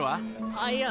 あっいや